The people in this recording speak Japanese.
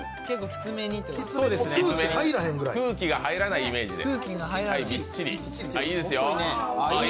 空気が入らないイメージで、ビッチリ。